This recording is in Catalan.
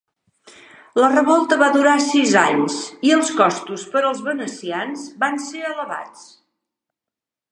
La revolta va durar sis anys i els costos per als venecians van ser elevats.